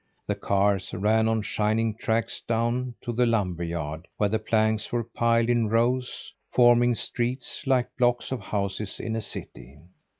The cars ran on shining tracks down to the lumber yard, where the planks were piled in rows, forming streets like blocks of houses in a city.